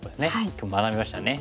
今日学びましたね。